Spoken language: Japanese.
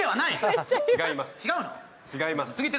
違います。